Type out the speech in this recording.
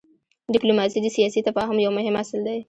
ډيپلوماسي د سیاسي تفاهم یو مهم اصل دی.